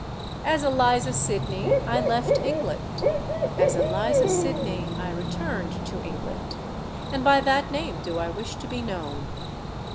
As Eliza Sydney I left England: as Eliza Sydney I returned to England;—and by that name do I wish to be known.